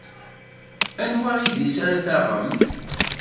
Anwa idis ara taɣemt?